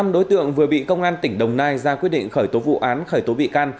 năm đối tượng vừa bị công an tỉnh đồng nai ra quyết định khởi tố vụ án khởi tố bị can